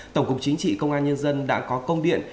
tổng cục chính trị công an nhân dân đã có công điện